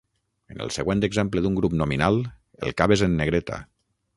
En el següent exemple d'un grup nominal, el cap és en negreta.